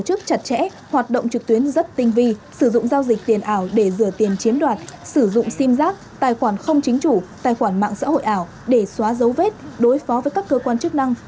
tổ chức chặt chẽ hoạt động trực tuyến rất tinh vi sử dụng giao dịch tiền ảo để rửa tiền chiếm đoạt sử dụng sim giác tài khoản không chính chủ tài khoản mạng xã hội ảo để xóa dấu vết đối phó với các cơ quan chức năng